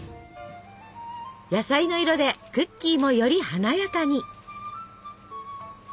野菜の色でクッキーもより華やかに。